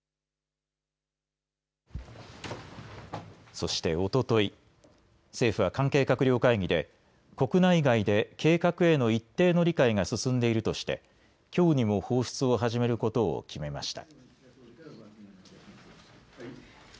そして、おととい政府は関係閣僚会議で国内外で計画への一定の理解が進んでいるとしてきょうにも放出を始めることを決めました。